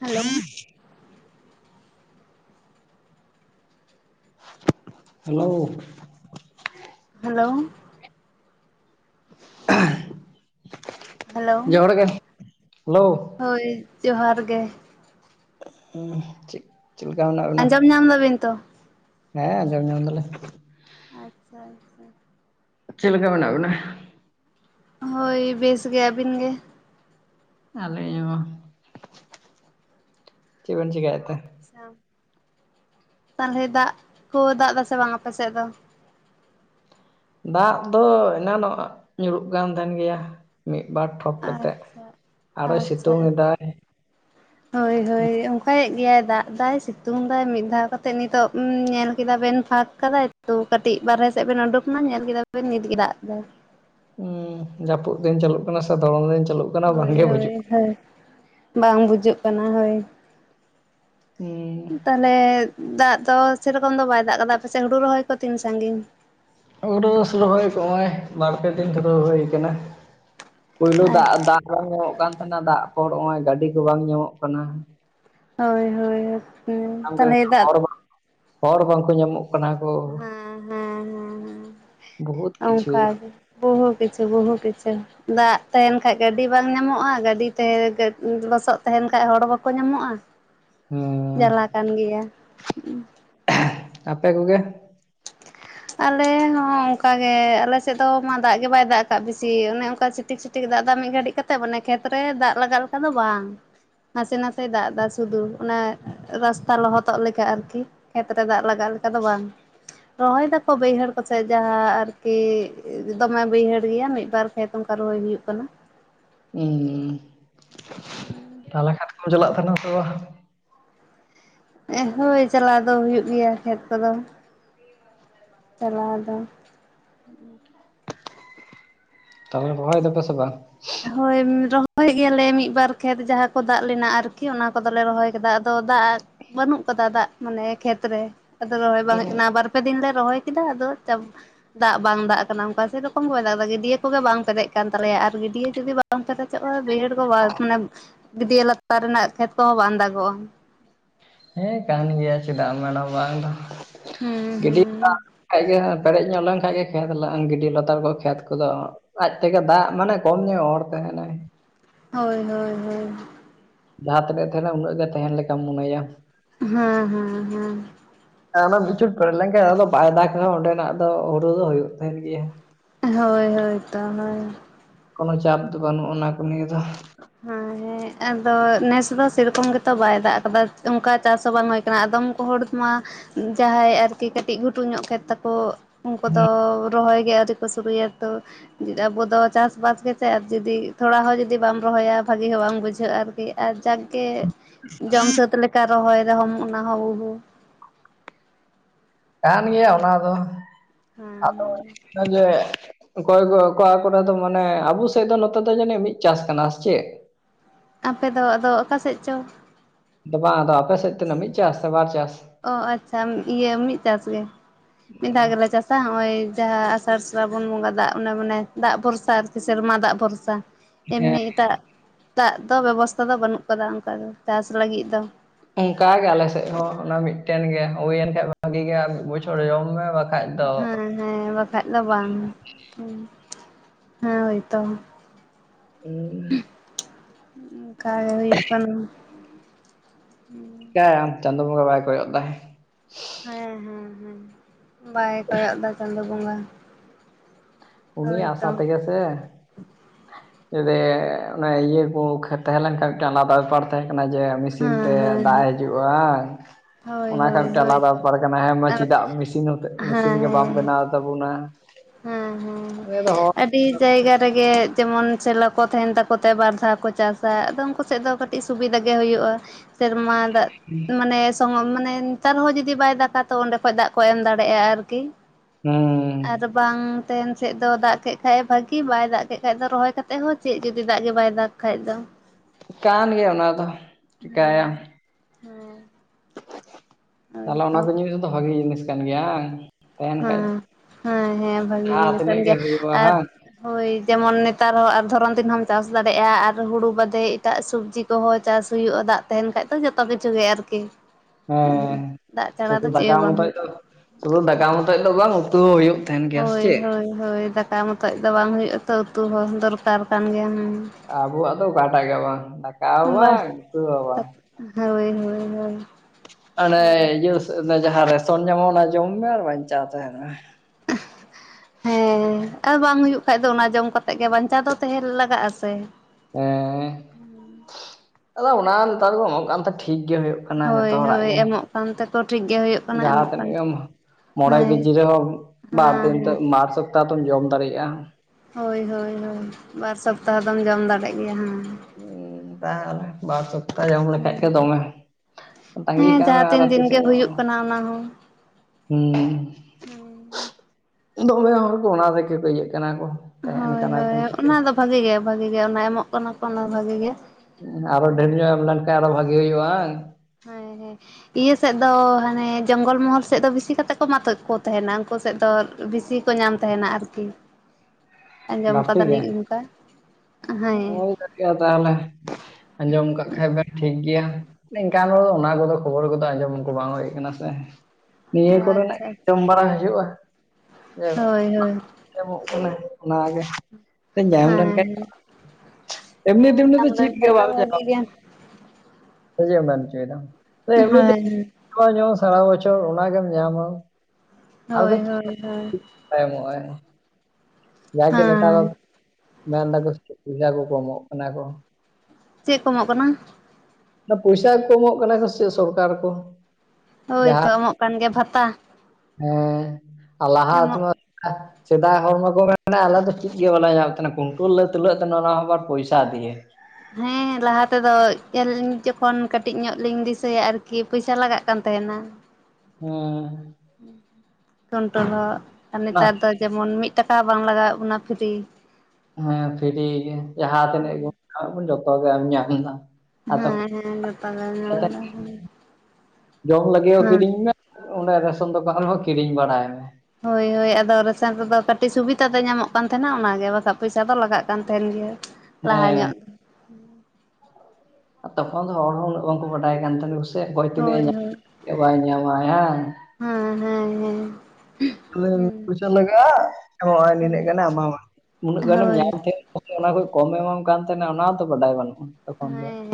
Hello, hello, hello, hello, ᱡᱚᱦᱟᱨ ᱜᱮ hello ᱦᱳᱭ, ᱡᱚᱦᱟᱨ ᱜᱮ ᱾ ᱦᱮᱸ ᱪᱮᱫ, ᱪᱮᱫ ᱞᱮᱠᱟ ᱢᱮᱱᱟᱜ ᱵᱚᱱᱟ? ᱟᱸᱡᱚᱢ ᱧᱟᱢ ᱫᱟᱵᱤᱱ ᱛᱚ ᱦᱮᱸ ᱡᱚᱢ ᱧᱟᱢ ᱫᱟᱞᱮ, ᱟᱪᱪᱷᱟ, ᱟᱪᱪᱷᱟ ᱪᱮᱫ ᱞᱮᱠᱟ ᱢᱮᱱᱟᱜ ᱵᱮᱤᱱᱟ? ᱦᱳᱭ ᱵᱮᱥ ᱜᱮ, ᱟᱹᱵᱤᱱ ᱜᱮ? ᱟᱞᱤᱧ ᱦᱚ, ᱪᱮᱠᱵᱮᱱ ᱪᱤᱠᱟ ᱭᱮᱛ ᱛᱮ? ᱟᱪᱷᱟ ᱛᱟᱦᱚᱞᱮ ᱫᱟᱜ ᱠᱚ, ᱫᱟᱜ ᱮᱫᱟ ᱥᱮ ᱵᱟᱝ ᱟᱯᱮ ᱥᱮᱫ ᱫᱚ? ᱫᱟᱜ ᱫᱚ, ᱮᱱᱟᱱᱚᱜ ᱧᱩᱨᱩᱜ ᱠᱟᱱ ᱛᱟᱦᱮᱱ ᱜᱮᱭᱟ, ᱢᱤᱫ ᱵᱟᱨ ᱯᱴᱚᱠ ᱠᱟᱛᱮᱜ, ᱟᱪᱪᱷᱟ ᱟᱨᱚᱭ ᱟᱪᱪᱷᱟ ᱥᱤᱛᱩᱝ ᱮᱫᱟᱭ᱾ ᱦᱳᱭ ᱦᱳᱭ ᱚᱱᱠᱟᱭᱮᱫ ᱜᱮᱭᱟᱭ, ᱫᱟᱜ ᱫᱟᱭ ᱥᱤᱛᱩᱝ ᱫᱟᱭ, ᱢᱤᱫ ᱫᱷᱟᱣ ᱠᱟᱛᱮᱫ ᱱᱤᱛᱚᱜ ᱧᱮᱞ ᱠᱮᱫᱟ ᱵᱮᱱ ᱯᱷᱟᱠ ᱠᱟᱫᱟᱭ ᱛᱚ ᱠᱟᱹᱴᱤᱡ ᱵᱟᱨᱦᱮ ᱥᱮᱫ ᱵᱮᱱ ᱩᱰᱩᱠ ᱮᱱᱟ, ᱧᱮᱞ ᱠᱮᱫᱟ ᱵᱮᱱ ᱱᱤᱛ ᱜᱮ ᱫᱟᱜ ᱠᱮᱫᱟᱭ᱾ ᱦᱩᱸ ᱡᱟᱹᱯᱩᱫ ᱫᱤᱱ ᱪᱟᱹᱞᱩᱜ ᱠᱟᱱᱟ ᱥᱮ, ᱫᱷᱚᱨᱚᱱ ᱫᱤᱱ ᱪᱟᱹᱞᱩᱜ ᱠᱟᱱᱟ ᱦᱳᱭ ᱵᱟᱝᱜᱮ ᱵᱩᱡᱩᱜ ᱦᱳᱭ ᱦᱳᱭ, ᱵᱟᱝ ᱵᱩᱡᱩᱜ ᱠᱟᱱᱟ ᱦᱳᱭ᱾ ᱠᱟᱱᱟ᱾ ᱛᱟᱦᱚᱞᱮ ᱫᱟᱜ ᱫᱚ ᱥᱮᱨᱚᱠᱚᱢ ᱫᱚ ᱵᱟᱭ ᱫᱟᱜ ᱠᱟᱫᱟ, ᱟᱯᱮᱥᱮᱱ ᱦᱩᱲᱩ ᱨᱚᱦᱚᱭ ᱠᱚ ᱛᱤᱱ ᱥᱟᱺᱜᱤᱧ? ᱦᱩᱨᱩ ᱨᱚᱦᱚ [unintelligible] ᱵᱟᱨ ᱯᱮ ᱫᱤᱱ ᱫᱷᱩᱨᱟᱹᱣ ᱦᱳᱭ ᱠᱟᱱᱟ ᱯᱳᱭᱞᱳ ᱟᱨ ᱫᱟᱜ ᱫᱟᱜ ᱵᱟᱝ ᱧᱟᱢᱚᱜ ᱠᱟᱱ ᱛᱟᱦᱮᱱᱟ, ᱫᱟᱜ ᱯᱚᱨ ᱱᱚᱜᱚᱭ ᱜᱟᱹᱰᱤ ᱠᱚ ᱵᱟᱝ ᱧᱟᱢᱚᱜ ᱠᱟᱱᱟ᱾ ᱦᱳᱭ ᱦᱳᱭ, ᱛᱟᱦᱚᱞᱮ ᱫᱟᱜ ᱦᱚᱨ ᱦᱚᱨ ᱠᱚ ᱧᱟᱢᱚᱜ ᱠᱟᱱᱟ᱾ ᱠᱚ ᱦᱮᱸ ᱦᱮᱸ ᱵᱚᱦᱩᱛ ᱦᱮᱸ ᱠᱤᱪᱷᱩ ᱚᱱᱠᱟᱜᱮ᱾ ᱵᱩᱦᱩ ᱯᱤᱪᱪᱟᱹ ᱵᱩᱦᱩ ᱯᱤᱪᱪᱷᱟᱹ᱾ ᱫᱟᱜ ᱛᱟᱦᱮᱱ ᱠᱷᱟᱡ ᱜᱟᱹᱰᱤ ᱵᱟᱝ ᱧᱟᱢᱚᱜᱼᱟ ᱜᱟᱹᱰᱤ ᱛᱟᱦᱮᱸ [unintelligible] ᱞᱚᱥᱚᱫ ᱛᱟᱦᱮᱱ ᱠᱷᱟᱡ ᱦᱚᱲ ᱵᱟᱠᱚ ᱧᱟᱢᱚᱜᱼᱟ᱾ [inaudible] ᱡᱟᱞᱟ ᱠᱟᱱ ᱜᱮᱭᱟ ᱦᱩᱸ [unintelligible] ᱟᱯᱮ ᱠᱚᱜᱮ? ᱟᱞᱮ ᱦᱚᱸ ᱚᱱᱠᱟᱜᱮ ᱟᱞᱮᱥᱮᱫ ᱫᱚ ᱢᱟ ᱫᱟᱜ ᱜᱮ ᱵᱟᱭ ᱫᱟᱜ ᱟᱠᱟᱜ ᱵᱮᱥᱤ, ᱚᱱᱮ ᱚᱱᱠᱟ ᱪᱤᱴᱤᱪᱴᱤ᱾ ᱴᱤᱠ ᱫᱟᱜ ᱫᱟ ᱢᱤᱫ ᱜᱷᱟᱹᱲᱤᱡ ᱠᱟᱛᱮ ᱢᱟᱱᱮ ᱠᱷᱮᱛ ᱨᱮ ᱫᱟᱜ ᱞᱟᱜᱟᱜ ᱞᱮᱠᱟ ᱫᱚ ᱵᱟᱝ᱾ ᱱᱟᱥᱮ ᱱᱟᱥᱮ ᱫᱟᱜ ᱮᱫᱟ ᱥᱩᱫᱷᱩ ᱚᱱᱟ ᱨᱟᱥᱛᱟ ᱞᱚᱦᱚᱫᱚᱜ ᱞᱮᱠᱟ ᱟᱨᱠᱤ᱾ ᱠᱷᱮᱛᱨᱮ ᱫᱟᱜ ᱞᱟᱜᱟᱜ ᱞᱮᱠᱟ ᱫᱚ ᱵᱟᱝ, ᱨᱚᱦᱚᱭ [unintelligible] ᱵᱟᱹᱭᱦᱟᱹᱲ ᱠᱚᱥᱮᱡ ᱡᱟᱦᱟᱸ ᱟᱨᱠᱤ ᱫᱚᱢᱮ ᱵᱟᱹᱭᱦᱟᱹᱲ ᱜᱮᱭᱟ, ᱢᱤᱛ ᱵᱟᱨ ᱠᱷᱮᱛ ᱚᱱᱠᱟ ᱨᱚᱦᱚᱭ ᱦᱩᱭᱩᱜ ᱠᱟᱱᱟ᱾ ᱦᱩᱸ ᱦᱩᱸ ᱦᱩᱸ ᱛᱟᱦᱚᱞᱮ ᱠᱷᱟᱱ ᱠᱚᱢ ᱪᱟᱞᱟᱜ ᱛᱟᱦᱮᱱᱟ ᱥᱮ ᱵᱟᱝ? ᱦᱳᱭ ᱪᱟᱞᱟᱣ ᱫᱚ ᱦᱩᱭᱩᱜ ᱜᱮᱭᱟ ᱠᱷᱮᱛ ᱠᱚᱫᱚ᱾ ᱪᱟᱞᱟᱣ ᱫᱚ᱾ ᱛᱟᱦᱚᱞᱮ ᱨᱚᱦᱚᱭ ᱫᱟᱠᱚ ᱥᱮ ᱵᱟᱝ? ᱦᱳᱭ ᱨᱚᱦᱚᱭ ᱜᱮᱭᱟᱞᱮ ᱢᱤᱫ ᱵᱟᱨ ᱠᱷᱮᱛ ᱡᱟᱦᱟᱸ ᱠᱚ ᱫᱟᱜ ᱞᱮᱱᱟ ᱟᱨᱠᱤ, ᱚᱱᱟ ᱠᱚᱫᱚᱞᱮ ᱨᱚᱦᱚᱭ ᱠᱮᱫᱟ ᱟᱫᱚ ᱫᱟᱜ ᱵᱟᱹᱱᱩᱜ ᱠᱟᱫᱟ ᱫᱟᱜ ᱢᱟᱱᱮ ᱠᱷᱮᱛ ᱨᱮ ᱟᱫᱚ ᱨᱚᱦᱚᱭ ᱵᱟᱝ ᱦᱩᱭᱩᱜ ᱠᱟᱱᱟ, ᱟᱵᱟᱨ ᱵᱟᱨ ᱯᱮ ᱫᱤᱱ ᱞᱮ ᱨᱚᱦᱚᱭ ᱠᱮᱫᱟ ᱟᱫᱚ ᱪᱟᱵ ᱫᱟᱜ ᱵᱟᱝ ᱫᱟᱜ ᱠᱟᱱᱟ ᱚᱱᱠᱟ ᱥᱮᱨᱚᱠᱚᱢ ᱜᱮ ᱵᱟᱭ ᱫᱟᱜ ᱮᱫᱟ ᱜᱟᱹᱰᱭᱟᱹ ᱠᱚᱜᱮ ᱵᱟᱝ ᱯᱮᱰᱮᱡ ᱠᱟᱱ ᱛᱟᱞᱮᱭᱟ ᱟᱨ ᱜᱟᱹᱰᱭᱟᱹ᱾ ᱡᱩᱫᱤ ᱵᱟᱝ ᱯᱮᱨᱮᱡᱚᱜ-ᱟ ᱵᱟᱹᱭᱦᱟᱹᱲ ᱠᱚ ᱵᱟ ᱢᱟᱱᱮ ᱜᱟᱹᱰᱤᱭᱟᱹ ᱞᱟᱛᱟᱨ ᱨᱮᱱᱟᱜ ᱠᱷᱮᱛ ᱠᱚᱦᱚᱸ ᱵᱟᱝ ᱫᱟᱜᱚᱜᱼᱟ᱾ ᱦᱮᱸ ᱠᱟᱱ ᱜᱮᱭᱟ ᱪᱮᱫᱟᱜ ᱢᱮᱱᱟ ᱵᱟᱝ ᱫᱚ ᱦᱩᱸ ᱜᱤᱰᱤ ᱦᱩᱸ ᱠᱟᱱ ᱠᱷᱟᱡ ᱜᱮ ᱦᱟᱜ᱾ ᱯᱮᱨᱮᱡ ᱧᱚᱜ ᱞᱮᱱᱠᱷᱟᱡ ᱜᱮ ᱠᱷᱮᱛ ᱜᱤᱰᱤ ᱞᱟᱛᱟᱨ ᱠᱚ ᱠᱷᱮᱛ ᱠᱚᱫᱚ᱾ ᱟᱡᱛᱮᱜᱮ ᱫᱟᱜ ᱢᱟᱱᱮ ᱠᱚᱢ ᱧᱚᱜ-ᱮ ᱚᱨ ᱛᱟᱦᱮᱸᱱᱟᱭ᱾ ᱦᱳᱭ ᱦᱳᱭ ᱦᱳᱭ᱾ ᱡᱟᱦᱟᱸ ᱛᱤᱱᱟᱹᱜ ᱛᱟᱦᱮᱱᱟ ᱩᱱᱟᱹᱜ ᱜᱮ ᱛᱟᱦᱮᱱ ᱞᱮᱠᱟᱢ ᱢᱚᱱᱮᱭᱟ᱾ ᱦᱮᱸ ᱦᱮᱸ ᱦᱮᱸ ᱚᱱᱟ ᱵᱤᱪᱩ ᱯᱮᱨᱮᱜ ᱞᱮᱱᱠᱷᱟᱡ ᱟᱫᱚ ᱵᱟᱭ ᱫᱟᱜ ᱨᱮᱦᱚ ᱚᱸᱰᱮᱱᱟᱜ ᱫᱚ ᱦᱩᱲᱩ ᱫᱚ ᱦᱩᱭᱩᱜ ᱛᱟᱦᱮᱱ ᱜᱮᱭᱟ᱾ ᱦᱳᱭ ᱦᱳᱭ ᱛᱚ ᱦᱳᱭ ᱠᱳᱱᱳ ᱪᱟᱯ ᱫᱚ ᱵᱟᱹᱱᱩᱜ ᱚᱱᱟ ᱠᱚ ᱱᱤᱭᱮ ᱫᱚ ᱦᱟᱸ ᱦᱮᱸ ᱦᱮᱸ ᱟᱫᱚ ᱱᱮᱥ ᱫᱚ ᱥᱮᱨᱚᱠᱚᱢ ᱜᱮᱛᱚ ᱵᱟᱭ ᱫᱟᱜ ᱟᱠᱟᱫᱟ ᱚᱱᱠᱟ ᱪᱟᱥ ᱦᱚᱸ ᱵᱟᱝ ᱦᱩᱭ ᱟᱠᱟᱱᱟ, ᱟᱫᱚᱢ ᱠᱚ ᱦᱚᱲ ᱢᱟ ᱡᱟᱦᱟᱸᱭ ᱟᱨᱠᱤ ᱠᱟᱹᱴᱤᱡ ᱜᱷᱩᱴᱩ ᱧᱚᱜ ᱠᱷᱮᱛ ᱛᱟᱠᱚ ᱩᱱᱠᱩ ᱦᱩᱸ ᱫᱚ ᱨᱚᱦᱚᱭ ᱜᱮ ᱟᱹᱣᱨᱤ ᱠᱚ ᱥᱩᱨᱩ ᱭᱟᱛᱚ ᱟᱵᱚ ᱫᱚ ᱪᱟᱥᱵᱟᱥ ᱜᱮᱥᱮ ᱟᱨ ᱡᱩᱫᱤ ᱛᱷᱚᱲᱟ ᱦᱚᱸ ᱡᱩᱫᱤ ᱵᱟᱢ ᱨᱚᱦᱚᱭᱟ ᱵᱷᱟᱹᱜᱤ ᱦᱚᱸ ᱵᱟᱝ ᱵᱩᱡᱷᱟᱹᱜᱼᱟ ᱟᱨᱠᱤ ᱟᱨ ᱡᱟᱠ ᱜᱮ ᱡᱚᱢ ᱥᱟᱹᱛ ᱞᱮ ᱠᱟ ᱨᱚᱦᱚᱭ ᱨᱮᱦᱚᱸᱢ ᱚᱱᱟ ᱦᱚᱸ ᱩᱦᱩ ᱠᱟᱱ ᱜᱮᱭᱟ ᱚᱱᱟ ᱫᱚ ᱟᱫᱚ ᱦᱮᱸ ᱤᱱᱟᱹ ᱡᱮ ᱚᱠᱚᱭ ᱜᱚ ᱚᱠᱟ ᱠᱚᱨᱮ ᱫᱚ ᱢᱟᱱᱮ ᱟᱵᱚ ᱥᱮᱫ ᱫᱚ ᱱᱚᱛᱮ ᱫᱚ ᱡᱟᱱᱤᱡ ᱢᱤᱫ ᱪᱟᱥ ᱠᱟᱱᱟ ᱥᱮ ᱪᱮᱫ ᱟᱯᱮ ᱫᱚ ᱟᱫᱚ ᱚᱠᱟ ᱥᱮᱪᱽ ᱪᱚ? ᱵᱟᱝ ᱟᱫᱚ ᱟᱯᱮ ᱥᱮᱫ ᱛᱤᱱᱟᱹᱜ ᱢᱤᱫ ᱪᱟᱥ ᱥᱮ ᱵᱟᱨ ᱪᱟᱥ? ᱚ ᱟᱪᱪᱷᱟᱢ ᱤᱭᱟᱹ ᱢᱤᱫ ᱪᱟᱥ ᱜᱮ᱾ ᱢᱤᱫ ᱫᱷᱟᱣ ᱜᱮᱞᱮ ᱪᱟᱥᱟ ᱦᱚᱸᱜ-ᱚᱭ ᱡᱟᱦᱟᱸ ᱟᱥᱟᱲ ᱥᱨᱟᱵᱚᱱ ᱵᱚᱸᱜᱟ ᱫᱟᱜ ᱚᱱᱮ ᱢᱟᱱᱮ ᱫᱟᱜ ᱵᱷᱚᱨᱥᱟ ᱥᱮᱨᱢᱟ ᱫᱟᱜ ᱵᱷᱚᱨᱥᱟ᱾ ᱦᱮᱸ ᱮᱢᱱᱤ ᱮᱴᱟᱜ ᱫᱟᱜ ᱫᱚ ᱵᱮᱵᱚᱥᱛᱷᱟ ᱫᱚ ᱵᱟᱹᱱᱩᱜ ᱟᱠᱟᱫᱟ ᱚᱱᱠᱟ ᱫᱚ ᱪᱟᱥ ᱞᱟᱹᱜᱤᱫ ᱫᱚ᱾ ᱚᱝᱠᱟ ᱜᱮ ᱟᱞᱮ ᱥᱮᱫ ᱦᱚᱸ ᱚᱱᱟ ᱢᱤᱫᱴᱮᱱ ᱜᱮ ᱦᱩᱭᱮᱱ ᱠᱷᱟᱱ ᱵᱷᱟᱜᱮ ᱜᱮᱭᱟ ᱟᱨ ᱢᱤᱫ ᱵᱚᱪᱷᱚᱨ ᱡᱚᱢ ᱢᱮ ᱵᱟ ᱦᱮᱸ ᱦᱮᱸ ᱵᱟᱠᱷᱟᱡ ᱫᱚ ᱵᱟᱝ ᱦᱩᱸ ᱦᱮᱸ ᱦᱳᱭᱛᱚ᱾ ᱩᱸ᱾ ᱚᱱᱠᱟ ᱜᱮ ᱦᱩᱭᱩᱜ ᱠᱟᱱᱟ ᱦᱩᱸ ᱪᱮᱠᱟᱭᱟᱢ ᱪᱟᱸᱫᱚ ᱵᱚᱸᱜᱟ ᱵᱟᱭ ᱠᱚᱭᱚᱜ ᱮᱫᱟᱭ᱾ ᱦᱮᱸ ᱦᱮᱸ ᱦᱮᱸ ᱵᱟᱭ ᱠᱚᱭᱚᱜ ᱫᱟ ᱪᱟᱸᱫᱚ ᱵᱚᱸᱜᱟ᱾ ᱩᱱᱤᱭᱟᱜ ᱟᱥᱟ ᱦᱳᱭᱛᱚ ᱛᱮᱜᱮ ᱥᱮ᱾ ᱡᱩᱫᱤ ᱚᱱᱮ ᱤᱭᱟᱹ ᱠᱚ ᱠᱷᱟ ᱛᱟᱦᱮᱸ ᱞᱮᱱ ᱠᱷᱟᱡ ᱢᱮᱫᱴᱮᱱ ᱟᱞᱟᱫᱟ ᱵᱮᱯᱟᱲ ᱛᱟᱦᱮᱸ ᱠᱟᱱᱟ ᱡᱮ ᱢᱮᱥᱤᱱ ᱦᱮᱸ ᱛᱮ ᱦᱮᱸ ᱫᱟᱜ ᱦᱮᱸ᱾ ᱦᱤᱡᱩᱜᱼᱟ᱾ ᱦᱳᱭ ᱚᱱᱟ ᱠᱷᱟᱱ ᱦᱳᱭ ᱢᱤᱫᱴᱮᱱ ᱦᱳᱭ ᱟᱞᱟᱫᱟ ᱛᱚ ᱵᱮᱯᱟᱨ ᱠᱟᱱᱟ ᱦᱮᱸᱢᱟ ᱟᱨ ᱪᱮᱫᱟᱜ ᱢᱮᱥᱤᱱ ᱦᱚᱛᱮᱜ ᱦᱮᱸ ᱢᱮᱥᱤᱱ ᱦᱮᱸ ᱜᱮ ᱵᱟᱢ ᱵᱮᱱᱟᱣ ᱛᱟᱵᱚᱱᱟ᱾ ᱦᱮᱸ ᱦᱮᱸ ᱦᱮᱸ ᱟᱞᱮ ᱫᱚ ᱦᱚᱲ ᱟᱹᱰᱤ ᱡᱟᱭᱜᱟ ᱨᱮᱜᱮ ᱡᱮᱢᱚᱱ ᱥᱮᱞᱚ ᱠᱚ ᱛᱟᱦᱮᱱ ᱛᱟᱠᱚ ᱛᱮ ᱵᱟᱨ ᱫᱷᱟᱣ ᱠᱚ ᱪᱟᱥᱟ ᱟᱫᱚ ᱩᱱᱠᱩ ᱥᱮᱫ ᱫᱚ ᱠᱟ ᱴᱤᱡ ᱥᱩᱵᱤᱫᱷᱟ ᱜᱮ ᱦᱩᱭᱩᱜᱼᱟ, ᱥᱮᱨᱢᱟ ᱫᱟᱜ ᱢᱟᱱᱮ ᱛᱚ ᱦᱚᱸ ᱢᱟᱱᱮ ᱱᱮᱛᱟᱨ ᱦᱚᱸ ᱡᱩᱫᱤ ᱵᱟᱭ ᱫᱟᱠᱟ ᱛᱚ ᱚᱸᱰᱮ ᱠᱷᱚᱡ ᱫᱟᱜ ᱠᱚ ᱮᱢ ᱫᱟᱲᱮᱭᱟᱜᱼᱟ ᱟᱨᱠᱤ᱾ ᱦᱩᱸ᱾ ᱟᱨᱚᱵ ᱵᱟᱝ ᱛᱟᱦᱮᱱ ᱥᱮᱫ ᱫᱚ ᱫᱟᱜ ᱠᱮᱫ ᱠᱷᱟᱡ ᱮ ᱵᱷᱟᱜᱤ ᱵᱟᱭ ᱫᱟᱜ ᱠᱮᱫ ᱠᱷᱟᱡ ᱫᱚ ᱨᱚᱦᱚᱭ ᱠᱟᱛᱮ ᱦᱚᱸ ᱪᱮᱫ ᱡᱩᱫᱤ ᱫᱟᱜ ᱜᱮ ᱵᱟᱭ ᱫᱟᱜ ᱠᱷᱟᱡ ᱫᱚ᱾ ᱠᱟᱱᱱ ᱜᱮᱭᱟ ᱚᱱᱟ ᱫᱚ, ᱪᱤᱠᱟᱭᱟᱢ? ᱦᱮᱸ ᱦᱮᱸ᱾ ᱦᱳᱭ ᱛᱟᱦᱚᱞᱮ ᱚᱱᱟ ᱠᱚ ᱛᱚ ᱡᱤᱱᱤᱥ ᱫᱚ ᱵᱷᱟᱹᱜᱮ ᱡᱤᱱᱤᱥ ᱠᱟᱱ ᱜᱮᱭᱟ, ᱵᱟᱝ? ᱛᱟᱦᱮᱱ ᱠᱷᱟᱡ ᱫᱚ ᱦᱮᱸ, ᱦᱮᱸ ᱦᱮᱸ ᱵᱷᱟᱹᱜᱮ ᱡᱟᱦᱟᱸ ᱡᱤᱱᱤᱥ ᱠᱟᱱ ᱛᱤᱱᱟᱹᱜ ᱜᱮ ᱜᱮᱭᱟ ᱦᱩᱭᱩᱜᱼᱟ ᱟᱨ ᱵᱟᱝ ᱦᱳᱭ ᱡᱮᱢᱚᱱ ᱱᱮᱛᱟᱨ ᱦᱚᱸ ᱟᱨ ᱫᱷᱚᱨᱚᱱ ᱫᱤᱱ ᱦᱚᱢ ᱪᱟᱥ ᱫᱟᱲᱮᱭᱟᱜᱼᱟ ᱟᱨ ᱦᱩᱲᱩ ᱵᱟᱫᱮ ᱮᱴᱟᱜ ᱥᱚᱵᱽᱡᱤ ᱫᱚᱦᱚᱸ ᱪᱟᱥ ᱦᱩᱭᱩᱜᱼᱟ ᱫᱟᱜ ᱛᱟᱦᱮᱱ ᱠᱷᱟᱡ ᱫᱚ ᱡᱚᱛᱚ ᱠᱤᱪᱷᱩ ᱜᱮ ᱟᱨᱠᱤ᱾ ᱦᱮᱸ ᱫᱟᱜ ᱪᱷᱟᱲᱟ ᱥᱩᱫᱷᱩ ᱫᱚ ᱪᱮᱫ ᱫᱟᱠᱟ ᱦᱚᱸ ᱵᱟᱝ ᱢᱚᱛᱚᱡ ᱦᱩᱭᱩᱜ ᱫᱚ ᱥᱩᱫᱷᱩ ᱫᱟᱠᱟ ᱢᱚᱛᱚᱡ ᱫᱚ ᱵᱟᱝ ᱩᱛᱩ ᱦᱚᱸ ᱦᱩᱭᱩᱜ ᱛᱟᱦᱮᱱ ᱜᱮᱭᱟ ᱥᱮ ᱦᱳᱭ ᱪᱮᱫ ᱦᱳᱭ ᱦᱳᱭ ᱫᱟᱠᱟ ᱢᱚᱛᱚᱡ ᱫᱚ ᱵᱟᱝ ᱦᱩᱭᱩᱜᱼᱟ ᱛᱚ ᱩᱛᱩ ᱦᱚᱸ ᱫᱚᱨᱠᱟᱨ ᱠᱟᱱ ᱜᱮᱭᱟ ᱦᱮᱸ᱾ ᱟᱵᱚᱣᱟᱜ ᱫᱚ ᱚᱠᱟ ᱴᱟᱜ ᱜᱮ ᱵᱟᱝ᱾ ᱦᱚᱸ ᱵᱟᱦ, ᱵᱟᱝ ᱩᱛᱩ ᱦᱚᱸ ᱵᱟᱝ ᱦᱳᱭ ᱦᱳᱭ ᱦᱳᱭ᱾ ᱚᱱᱮ ᱦᱳᱭ ᱤᱭᱟᱹ ᱥᱮ ᱚᱱᱮ ᱡᱟᱦᱟᱸ ᱨᱮᱥᱚᱱ ᱧᱟᱢᱚᱜ-ᱟ ᱚᱱᱟ ᱡᱚᱢ ᱢᱮ ᱟᱨ ᱵᱟᱧᱪᱟᱣ ᱛᱟᱦᱮᱱ ᱢᱮ᱾ [inaudible] ᱦᱮᱸ ᱟᱨ ᱵᱟᱝ ᱦᱩᱭᱩᱜ ᱠᱷᱟᱡ ᱫᱚ ᱚᱱᱟ ᱡᱚᱢ ᱠᱟᱛᱮᱜ ᱜᱮ ᱵᱟᱧᱪᱟᱣ ᱫᱚ ᱛᱟᱦᱮᱸ ᱞᱟᱜᱟᱜᱼᱟ ᱥᱮ᱾ ᱦᱮᱸ ᱟᱫᱚ ᱚᱱᱟ ᱱᱮᱛᱟᱨ ᱫᱚᱠᱚ ᱮᱢᱚᱜ ᱠᱟᱱᱛᱮ ᱴᱷᱤᱠ ᱜᱮ ᱦᱩᱭᱩᱜ ᱠᱟᱱᱟ ᱦᱳᱭ ᱡᱚᱛᱚ ᱦᱚᱲᱟᱜ ᱦᱳᱭ ᱜᱮ, ᱮᱢᱚᱜ ᱠᱟᱱ ᱛᱮᱠᱚ ᱴᱷᱤᱠ ᱜᱮ ᱦᱩᱭᱩᱜ ᱠᱟᱱᱟ ᱡᱟᱦᱟᱸ ᱮᱢᱚᱜ ᱠᱟᱱ ᱛᱤᱱᱟᱹᱜ ᱛᱮ ᱜᱮᱢ ᱢᱚᱬᱮ ᱠᱮᱡᱤ ᱦᱮᱸ ᱨᱮᱦᱚᱸ ᱵᱟᱨ ᱦᱮᱸ ᱫᱤᱱ ᱛᱮ ᱦᱮᱸ ᱢᱟᱨ ᱥᱚᱯᱛᱟᱦᱚ ᱛᱚᱢ ᱡᱚᱢ ᱫᱟᱲᱮᱭᱟᱜᱼᱟ᱾ ᱦᱳᱭ ᱦᱳᱭ ᱦᱳᱭ ᱵᱟᱨ ᱥᱚᱯᱛᱟᱦᱚ ᱫᱚᱢ ᱡᱚᱢ ᱫᱟᱲᱮᱜ ᱜᱮᱭᱟ ᱦᱮᱸ᱾ ᱩᱸ ᱛᱟᱦᱞᱮ ᱵᱟᱨ ᱥᱚᱯ ᱛᱟᱦᱚ ᱡᱚᱢ ᱞᱮᱠᱷᱟᱡ ᱜᱮ ᱦᱮᱸ ᱫᱚᱢᱮ᱾ ᱛᱟᱸᱜᱤ ᱦᱮᱸ ᱠᱟᱜ ᱢᱮ ᱡᱟᱦᱟᱸ ᱟᱨ ᱛᱤᱱ ᱫᱤᱱ ᱜᱮ ᱦᱩᱭᱩᱜ [inaudible] ᱠᱟᱱᱟ ᱚᱱᱟ ᱦᱩᱸ᱾ ᱦᱩᱸ᱾ ᱫᱚᱢᱮ ᱦᱚᱲ ᱠᱚ ᱚᱱᱟ ᱛᱮᱜᱮ ᱠᱚ ᱤᱭᱟᱹᱜ ᱠᱟᱱᱟ ᱠᱚ᱾ ᱛᱟᱦᱮᱱ ᱦᱳᱭ ᱠᱟᱱᱟ ᱠᱚ ᱦᱳᱭ ᱪᱤᱠᱟᱹ ᱚᱱᱟ ᱫᱚ ᱵᱷᱟᱜᱮ ᱜᱮ ᱵᱷᱟᱜᱮ ᱜᱮ ᱚᱱᱟ ᱮᱢᱚᱜ ᱠᱟᱱᱟ ᱠᱚ ᱚᱱᱟ ᱵᱷᱟᱜᱮ ᱜᱮ᱾ ᱟᱨ ᱰᱷᱮᱨ ᱧᱚᱜ ᱮᱢ ᱞᱮᱱᱠᱟᱱ ᱟᱨᱦᱚ ᱵᱷᱟᱜᱤ ᱦᱩᱭᱩᱜ-ᱟ᱾ ᱦᱮᱸ ᱦᱮᱸ ᱤᱭᱟᱹ ᱥᱮᱫ ᱫᱚ ᱦᱟᱱᱮ ᱡᱚᱝᱜᱚᱞ ᱢᱚᱦᱚᱞ ᱥᱮᱫ ᱫᱚ ᱵᱤᱥᱤ ᱠᱟᱛᱮᱫ ᱠᱚ ᱢᱟᱛᱮᱠ ᱠᱚ ᱛᱟᱦᱮᱱᱟ ᱩᱱᱠᱩ ᱥᱮᱫ ᱫᱚ ᱵᱤᱥᱤ ᱠᱚ ᱧᱟᱢ ᱛᱟᱦᱮᱱᱟ ᱟᱨᱠᱤ [unintelligible] ᱦ ᱟᱸᱡᱚᱢ ᱟᱠᱟᱫᱟᱞᱤᱧ ᱚᱱᱠᱟ ᱦᱟᱭ᱾ [unintelligible] ᱭᱟ ᱛᱟᱦᱚᱞᱮ ᱟᱸᱡᱚᱢ ᱟᱠᱟᱜ ᱠᱷᱟᱡᱽ ᱵᱮᱱ ᱴᱷᱤᱠ ᱜᱮᱭᱟ ᱮᱝᱠᱟᱱ ᱦᱚᱲ ᱚᱱᱟ ᱠᱚᱫᱚ ᱠᱷᱚᱵᱚᱨ ᱠᱚᱫᱚ ᱟᱸᱡᱚᱢ ᱠᱚ ᱵᱟᱝ ᱦᱩᱭ ᱟᱠᱟᱱᱟ ᱥᱮ ᱱᱤᱭᱟᱹ ᱟᱪᱪᱷᱟ ᱠᱚᱨᱮᱱᱟᱜ ᱟᱪᱪᱷᱟ ᱡᱚᱢ ᱵᱟᱲᱟ ᱦᱩᱭᱩᱜᱤᱡ-ᱟ ᱮᱜ ᱦᱳᱭ ᱦᱳᱭ ᱧᱟᱢᱚᱜ ᱠᱟᱱᱟ ᱚᱱᱟᱜᱮ ᱧᱟᱢ ᱞᱮᱱ ᱦᱮᱸ ᱠᱷᱟᱡ ᱮᱢᱱᱤ ᱦᱮᱸ ᱫᱤᱱ ᱦᱤᱞᱳᱜ ᱧᱟᱢ ᱫᱚ ᱪᱮᱫ ᱜᱮ ᱞᱮᱱᱠᱷᱟᱡ ᱫᱚ ᱵᱟᱢ ᱧᱟᱢᱟ᱾ ᱵᱷᱟᱜᱤ ᱜᱮ ᱥᱮ ᱪᱮᱫ ᱮᱢ ᱢᱮᱱ ᱪᱚᱭ ᱫᱟ ᱮᱢᱱᱤ ᱫᱤᱱ ᱦᱳᱭ [unintelligible] ᱥᱟᱨᱟ ᱵᱚᱪᱷᱚᱨ ᱚᱱᱟᱜ ᱜᱮᱢ ᱧᱟᱢᱟ ᱾ ᱟᱫᱚ ᱦᱳᱭ ᱦᱳᱭ ᱦᱳᱭ [inaudible] ᱵᱟᱭ ᱮᱢᱚᱜᱟ ᱡᱟᱜᱮ ᱱᱮᱛᱟ ᱫᱚ ᱦᱮᱸ ᱢᱮᱱ ᱫᱟᱠᱚ [inaudible] ᱯᱚᱭᱟ ᱠᱚ ᱠᱚ ᱮᱢᱚᱜ ᱠᱟᱱᱟ ᱠᱚ ᱾ ᱪᱮᱫ ᱠᱚ ᱮᱢᱚᱜ ᱠᱟᱱᱟ? ᱯᱚᱭᱥᱟ ᱠᱚᱠᱚᱜ ᱮᱢᱚᱜ ᱠᱟᱱᱟ ᱥᱮ ᱪᱮᱫ ᱥᱚᱨᱠᱟᱨ ᱠᱚ᱾ ᱦᱳᱭ ᱛᱚ ᱡᱟᱦᱟᱸ ᱮᱢᱚᱜ ᱠᱟᱱ ᱜᱮᱭᱟ ᱵᱷᱟᱛᱟ᱾ ᱦᱮᱸ ᱟᱨ ᱞᱟᱦᱟᱛᱮ ᱮᱢᱚᱜ ᱢᱟ ᱥᱮᱫᱟᱭ ᱦᱚᱲ ᱢᱚᱠᱚ ᱢᱮᱱᱟ ᱟᱞᱮ ᱫᱚ ᱪᱮᱫ ᱜᱮ ᱵᱟᱞᱮ ᱧᱟᱢᱮᱫ ᱛᱟᱦᱮᱱᱟ ᱠᱩᱱᱴᱟᱹᱞ ᱞᱮ ᱛᱩᱞᱟᱹᱜᱣ ᱮᱫ ᱛᱟᱦᱮᱱᱟ ᱚᱱᱟ ᱦᱚᱸ ᱵᱟᱨ ᱯᱚᱭᱥᱟ ᱫᱤᱭᱮ᱾ ᱦᱮᱸ ᱞᱟᱦᱟ ᱛᱮᱫᱚ ᱪᱟᱹᱞᱤᱧ ᱡᱚᱠᱷᱚᱱ ᱠᱟᱹᱴᱤᱡ ᱧᱚᱜ ᱞᱤᱧ ᱫᱤᱥᱟᱹᱭᱟ ᱟᱨᱠᱤ ᱯᱚᱭᱥᱟ ᱞᱟᱜᱟᱜ ᱠᱟᱱ ᱛᱟᱦᱮᱱᱟ᱾ ᱦᱮᱸ ᱠᱩᱱᱴᱚᱞ ᱦᱚ ᱟᱨ ᱚᱱᱟ ᱱᱮᱛᱟᱨ ᱫᱚ ᱡᱮᱢᱚᱱ ᱢᱤᱫ ᱴᱟᱠᱟ ᱵᱟᱝ ᱞᱟᱜᱟᱣᱮᱫ ᱵᱚᱱᱟ ᱯᱷᱨᱤ᱾ ᱦᱮᱸ ᱯᱷᱨᱤ ᱜᱮᱭᱟ ᱡᱟᱦᱟᱸ ᱛᱤᱱᱟᱹᱜ ᱜᱮ ᱦᱩᱸ [inaudible] ᱵᱚᱱ ᱡᱚᱛᱚ ᱜᱮᱢ ᱧᱟᱢ ᱮᱫᱟ ᱟᱫᱚ ᱦᱮᱸ ᱦᱮᱸ ᱡᱚᱛᱚ ᱞᱮ ᱧᱟᱢ ᱮᱫᱟ ᱦᱮᱸ [inaudible] ᱡᱚᱢ ᱞᱟᱹᱜᱤᱫ ᱦᱚᱸ ᱠᱤᱨᱤᱧ ᱢᱮ ᱩᱱᱟᱜ ᱨᱚᱥᱩᱱ ᱫᱚ ᱯᱟᱦᱟᱞᱵᱟ ᱠᱤᱨᱤᱧ ᱵᱟᱲᱟᱭ ᱢᱮ᱾ ᱦᱳᱭ ᱦᱳᱭ ᱟᱫᱚ ᱨᱮᱥᱚᱱ ᱨᱮᱫᱚ ᱠᱟᱹᱴᱤᱡ ᱥᱩᱵᱤᱫᱟ ᱫᱚ ᱧᱟᱢᱚᱜ ᱠᱟᱱ ᱛᱟᱦᱮᱱᱟ ᱚᱱᱟᱜᱮ ᱵᱟᱠᱷᱟᱜ ᱯᱚᱭᱥᱟ ᱫᱚ ᱞᱟᱜᱟᱜ ᱠᱟᱱ ᱛᱟᱦᱮᱱ ᱜᱮᱭᱟ᱾ ᱞᱟᱦᱟ ᱧᱚᱜ ᱦᱮᱸ ᱛᱚᱠᱷᱚᱱ ᱫᱚ ᱦᱚᱲ ᱦᱚᱸ ᱩᱱᱟᱹᱜ ᱵᱟᱝᱠᱚ ᱵᱟᱰᱟᱭ ᱠᱟᱱ ᱛᱟᱦᱮ ᱥᱮ ᱚᱠᱚᱭ ᱦᱳᱭ ᱛᱤᱱᱟᱹᱜ ᱦᱳᱭ [inaudible] ᱵᱟᱭ ᱧᱟᱢᱟᱭ ᱦᱟᱝ ᱦᱮᱸ ᱦᱮᱸ ᱦᱮᱸ ᱛᱩᱞᱟᱹᱣ ᱦᱩᱸ ᱯᱚᱭᱥᱟ ᱞᱟᱜᱟᱜ-ᱟ ᱦᱚᱜᱚᱭ ᱦᱩᱸ ᱱᱤᱱᱟᱹᱜ ᱜᱟᱱᱮ ᱮᱢᱟᱢᱟ ᱩᱱᱟᱹᱜ ᱦᱳᱭ ᱜᱟᱱᱮᱢ ᱧᱟᱢ ᱠᱮᱫ ᱚᱱᱟ ᱠᱷᱚᱡ ᱠᱚᱢᱮ ᱮᱢᱟᱢ ᱠᱟᱱ ᱛᱟᱦᱮᱱᱟ ᱚᱱᱟᱛᱚ ᱵᱟᱰᱟᱭ ᱵᱟᱹᱱᱩᱜ-ᱟ ᱛᱚᱠᱷᱚᱱ ᱫᱚ᱾ ᱦᱮᱸ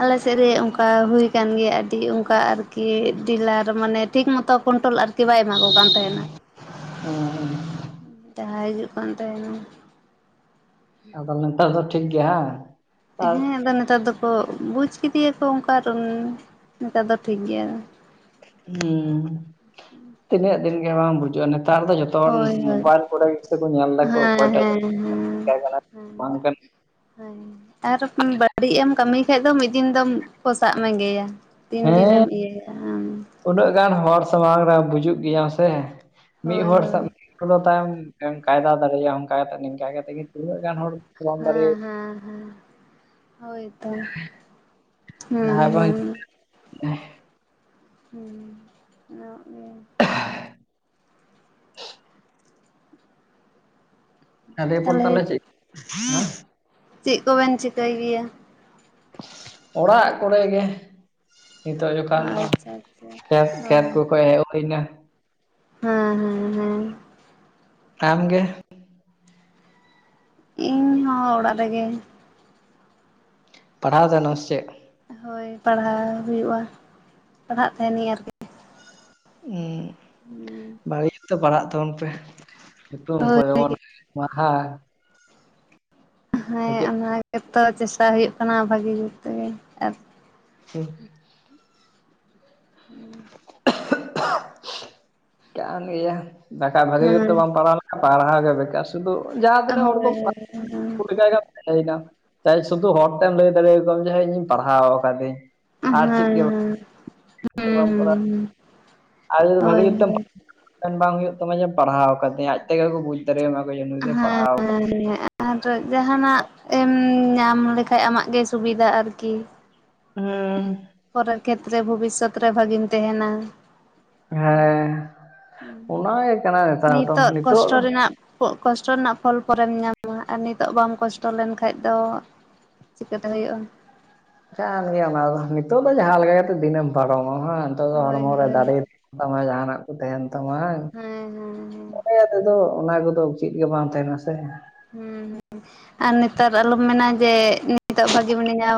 ᱟᱞᱮ ᱥᱮᱫ ᱨᱮ ᱚᱱᱠᱟ ᱦᱩᱭ ᱟᱠᱟᱱ ᱜᱮᱭᱟ ᱟᱹᱰᱤ ᱚᱱᱠᱟ ᱟᱨᱠᱤ ᱰᱤᱞᱟᱨ ᱢᱟᱱᱮ ᱴᱷᱤᱠ ᱢᱚᱛᱚ ᱠᱚᱱᱴᱳᱞ ᱟᱨᱠᱤ ᱵᱟᱭ ᱮᱢᱟ ᱠᱚ ᱠᱟᱱ ᱛᱟᱦᱮᱱᱟ ᱦᱮᱸ ᱡᱟᱦᱟᱸ ᱠᱟᱱ ᱛᱟᱦᱮᱱᱟ ᱟᱫᱚ ᱱᱮᱛᱟᱨ ᱫᱚ ᱴᱷᱤᱠ ᱜᱮᱭᱟ ᱦᱟᱝ ᱟᱨ ᱦᱮᱸ ᱟᱫᱚ ᱱᱮᱛᱟᱨ ᱫᱚᱠᱚ ᱵᱩᱡᱽ ᱠᱮᱫᱮᱭᱟᱠᱚ ᱚᱱᱠᱟ ᱟᱫᱚ ᱱᱮᱛᱟᱨ ᱫᱚ ᱴᱷᱤᱠ ᱜᱮᱭᱟ ᱦᱩᱸ ᱛᱤᱱᱟᱹᱜ ᱫᱤᱱ ᱜᱮ ᱵᱟᱝ ᱵᱩᱡᱩᱜ-ᱟ ᱱᱮᱛᱟᱨ ᱫᱚ ᱡᱚᱛ ᱛᱚᱞ ᱦᱳᱭ ᱦᱳᱭ ᱢᱳᱵᱟᱭᱤᱞ ᱠᱚᱨᱮ ᱜᱮ ᱥᱮ ᱠᱚ ᱧᱮᱞ ᱮᱫᱟᱠᱚ ᱦᱮᱸ ᱚᱠᱚᱭᱴᱟᱜ ᱦᱮᱸ ᱡᱮ ᱦᱮᱸ ᱠᱟᱱᱟ ᱵᱟᱝ ᱠᱟᱱᱟ ᱦᱮᱸ ᱟᱨ ᱵᱟᱹᱲᱛᱤᱡ ᱮᱢ ᱠᱟᱹᱢᱤ ᱠᱷᱟᱡ ᱫᱚ ᱢᱤᱫ ᱫᱤᱱ ᱫᱚᱢ ᱠᱚᱥᱟᱜ ᱢᱮᱜᱮᱭᱟ ᱛᱤᱱ ᱦᱮᱸ ᱫᱤᱱᱮᱢ ᱤᱭᱟᱹᱭᱟ ᱟᱢ ᱦᱟᱝ ᱩᱱᱟᱹᱜ ᱜᱟᱱ ᱦᱚᱲ ᱥᱟᱢᱟᱝ ᱨᱮ ᱵᱩᱡᱩ ᱜᱮᱭᱟ ᱥᱮ ᱢᱤᱫ ᱦᱳᱭ ᱦᱚᱲ ᱦᱳᱭ [inaudible] ᱯᱷᱚᱞᱚᱱ ᱛᱟᱭᱚᱢ ᱠᱟᱭᱫᱟ ᱫᱟᱲᱮᱭᱟᱜ-ᱟ ᱚᱱᱠᱟ ᱠᱟᱛᱮ ᱱᱤᱝᱠᱟ ᱠᱟᱛᱮᱜ ᱜᱮ ᱛᱤᱱᱟᱹᱜ ᱦᱚᱲ ᱵᱟᱢ ᱫᱟᱲᱮ ᱦᱮᱸ ᱦᱮᱸ ᱦᱮᱸ ᱦᱳᱭᱛᱳ ᱦᱮᱸ ᱡᱟᱦᱟᱸᱭ ᱵᱟᱝ ᱦᱮᱸ [unintelligible] [unintelligible] ᱛᱟᱦᱚᱞᱮ [inaudible] ᱪᱮᱫ ᱠᱚᱵᱮᱱ ᱪᱤᱠᱟᱹᱭ ᱜᱮᱭᱟ? ᱚᱲᱟᱜ ᱠᱚᱨᱮ ᱜᱮ ᱾ ᱱᱤᱛᱚᱜ ᱡᱚᱠᱷᱚᱱ ᱫᱚ ᱟᱪᱪᱷᱟ ᱟᱪᱪᱷᱟ ᱠᱷᱮᱛ ᱠᱷᱮᱛ ᱦᱳᱭ ᱠᱚᱠᱚ ᱦᱮᱡ ᱦᱩᱭ ᱮᱱᱟ ᱾ ᱦᱮᱸ ᱦᱮᱸ ᱦᱮᱸ ᱾ ᱟᱢ ᱜᱮ ᱤᱧᱦᱚᱸ ᱚᱲᱟᱜ ᱨᱮᱜᱮ ᱾ ᱯᱟᱦᱟᱲᱟᱣ [unintelligible] ᱥᱮ ᱪᱮᱫ? ᱦᱳᱭ ᱯᱟᱲᱦᱟᱣ ᱦᱩᱭᱩᱜᱼᱟ ᱯᱟᱲᱦᱟᱜ ᱛᱟᱦᱮᱱᱤᱧ ᱟᱨᱠᱤ ᱾ ᱩᱸ ᱵᱷᱟᱜᱮ ᱡᱩᱛ ᱛᱮ ᱯᱟᱲᱦᱟᱜ ᱛᱟᱵᱚᱱ ᱯᱮ ᱾ ᱧᱩᱛᱩᱢ ᱠᱚ ᱦᱳᱭ ᱡᱮᱢᱚᱱ ᱢᱟᱦᱟ ᱦᱮᱸ ᱚᱱᱟ ᱜᱮᱛᱚ ᱪᱮᱥᱴᱟ ᱦᱩᱭᱩᱜ ᱠᱟᱱᱟ ᱵᱷᱟᱹᱜᱤ ᱡᱩᱛ ᱛᱮᱜᱮ, ᱟᱨ [unintelligible] ᱠᱟᱱ ᱜᱮᱭᱟ ᱫᱟᱠᱟ ᱵᱷᱟᱹᱜᱮ ᱡᱩᱛ ᱛᱮ ᱦᱮᱸ ᱵᱟᱢ ᱯᱟᱲᱟᱣ ᱯᱟᱲᱟᱣᱟᱜᱮ ᱵᱮᱠᱟᱨ ᱥᱩᱫᱩ ᱡᱟᱦᱟ ᱦᱳᱭ ᱛᱤᱱᱟᱜ ᱦᱚᱲ ᱠᱚ ᱦᱳᱭ ᱦᱮᱸ [unintelligible] ᱦᱮᱡ ᱱᱟ ᱡᱟᱭ ᱥᱩᱫᱩ ᱦᱚᱲᱛᱮᱢ ᱞᱟᱹᱭ ᱫᱟᱲᱮᱭ ᱟᱠᱚᱣᱟᱢ ᱡᱮ ᱤᱧ ᱯᱟᱲᱦᱟᱣ ᱟᱠᱟᱫᱟᱹᱧ ᱟᱨ ᱪᱮᱫ ᱦᱮᱸ ᱜᱮ ᱦᱮᱸ [unintelligible] ᱦᱮᱸ ᱟᱨ ᱡᱩᱫᱤ ᱵᱷᱟᱹᱜᱤ ᱦᱳᱭ ᱡᱩᱛᱮᱢ ᱦᱳᱭ ᱯᱟᱲᱦᱟᱣ ᱵᱟᱝ ᱦᱩᱭᱩᱜ ᱛᱟᱢᱟᱮ ᱯᱟᱲᱦᱟᱣ ᱠᱟᱫᱮᱭᱟ ᱟᱡ ᱾ ᱛᱮᱜᱮ ᱠᱚ ᱵᱩᱡᱽ ᱫᱟᱲᱮ ᱟᱢᱟ ᱡᱮ ᱱᱩᱭ ᱫᱚᱭ ᱦᱮᱸ ᱯᱟᱲᱦᱟᱣ ᱠᱟᱫ - [unintelligible] ᱟᱨ ᱡᱟᱦᱟᱱᱟᱜ ᱮᱢ ᱧᱟᱢ ᱞᱮᱠᱷᱟᱡ ᱟᱢᱟᱜ ᱜᱮ ᱥᱩᱵᱤᱫᱷᱟ ᱟᱨᱠᱤ ᱾ [unintelligible] ᱯᱚᱨᱮ ᱠᱷᱮᱛᱛᱮᱨᱮ ᱵᱷᱚᱵᱤᱥᱥᱚᱛ ᱨᱮ ᱵᱷᱟᱹᱜᱤᱢ ᱛᱟᱦᱮᱱᱟ ᱾ ᱦᱮᱸ ᱚᱱᱟᱜ ᱜᱮ ᱠᱟᱱᱟ ᱱᱮᱛᱟᱨ ᱫᱚ ᱱᱤᱛᱚᱜ ᱫᱚ ᱠᱚᱥᱴᱚ ᱨᱮᱱᱟᱜ ᱠᱚᱥᱴᱚ ᱨᱮᱱᱟᱜ ᱯᱷᱚᱞ ᱯᱚᱨᱮᱢ ᱧᱟᱢᱟ ᱟᱨ ᱱᱤᱛᱚᱜ ᱵᱟᱢ ᱠᱚᱥᱴᱚ ᱞᱮᱱᱠᱟᱱᱡ ᱫᱚ ᱾ ᱪᱤᱠᱟᱹᱛᱮ ᱦᱩᱭᱩᱜᱼᱟ ᱾ ᱠᱟᱱ ᱜᱮᱭᱟ ᱚᱱᱟ ᱫᱚ ᱱᱤᱛᱚᱜ ᱫᱚ ᱡᱟᱦᱟᱸ ᱞᱮᱠᱟ ᱠᱟᱛᱮ ᱫᱤᱱᱮᱢ ᱯᱟᱨᱚᱢᱟᱼᱟ ᱾ ᱡᱚ ᱦᱳᱭ ᱦᱚᱲᱢᱚ ᱨᱮ ᱦᱳᱭ ᱫᱟᱨᱮ ᱛᱟᱦᱮᱱ ᱛᱟᱢᱟ ᱡᱟᱦᱟᱱᱟᱜ ᱠᱚ ᱛᱟᱦᱮᱱ ᱛᱟᱢᱟ ᱾ ᱦᱮᱸ ᱦᱮᱸ ᱾ ᱢᱚᱱᱮ ᱛᱮᱫᱚ ᱚᱱᱟ ᱠᱚᱫᱚ ᱪᱮᱫ ᱜᱮ ᱵᱟᱝ ᱛᱟᱦᱮᱱᱟ ᱥᱮ ᱾ ᱦᱩᱸ ᱦᱩᱸ ᱟᱨ ᱱᱮᱛᱟᱨ ᱟᱞᱚᱢ ᱢᱮᱱᱟ ᱡᱮ ᱱᱤᱛᱚᱜ ᱵᱷᱟᱜᱤ ᱢᱤᱱᱟᱹᱧᱟ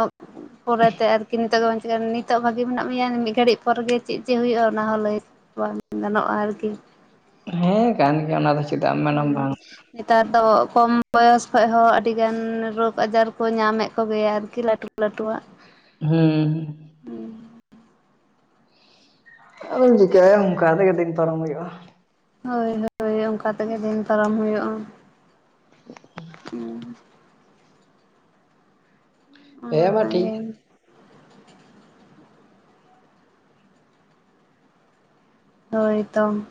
ᱯᱚᱨᱮᱛᱮ ᱟᱨᱠᱤ ᱱᱤᱛᱚᱜ ᱜᱮᱵ ᱪᱤᱠ ᱱᱤᱛᱚᱜ ᱵᱷᱟᱹᱜᱤ ᱢᱮᱱᱟᱜ ᱢᱮᱭᱟ ᱢᱤᱫ ᱜᱷᱟᱹᱲᱤᱡ ᱯᱚᱨᱮ ᱪᱮᱫ ᱪᱮᱫ ᱦᱩᱭᱩᱜᱼᱟ ᱚᱱᱟ ᱦᱚᱸ ᱞᱟᱹᱭ ᱵᱟᱝ ᱜᱟᱱᱚᱜᱼᱟ ᱟᱨᱠᱤ ᱾ ᱦᱮᱸ ᱠᱟᱱ ᱜᱮᱭᱟ ᱚᱱᱟ ᱫᱚ ᱾ ᱦᱩᱸ ᱾ ᱱᱮᱛᱟᱨ ᱫᱚ ᱠᱚᱢ ᱵᱚᱭᱚᱥ ᱠᱷᱚᱡ ᱦᱚᱸ ᱟᱹᱰᱤ ᱜᱟᱱ ᱨᱳᱜᱽ ᱟᱡᱟᱨ ᱠᱚ ᱧᱟᱢᱮᱫ ᱠᱚᱜᱮᱭᱟ ᱟᱨᱠᱤ ᱞᱟᱹᱩ ᱞᱟᱹᱩ ᱞᱟᱹᱴᱩ ᱦᱟᱸᱜ ᱾ ᱦᱩᱸ ᱾ [unintelligible] ᱟᱫᱚᱢ ᱪᱤᱠᱟᱭᱟ ᱚᱱᱠᱟ ᱛᱮᱜᱮ ᱫᱤᱱ ᱯᱟᱨᱚᱢ ᱦᱩᱭᱩᱜᱼᱟ᱾ ᱦᱳᱭ ᱦᱳᱭ ᱚᱱᱠᱟ ᱛᱮᱜᱮ ᱫᱤᱱ ᱯᱟᱨᱚᱢ ᱦᱩᱭᱩᱜᱼᱟ᱾ [unintelligible] ᱦᱮᱸ ᱢᱟ ᱴᱷᱤᱠ ᱚᱱᱟᱜᱮ ᱜᱮᱭᱟ ᱾ ᱦᱳᱭ ᱛᱚᱢ᱾